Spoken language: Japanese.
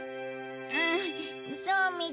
うんそうみたい。